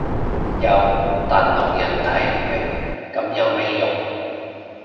有但聾人睇唔明噉有咩用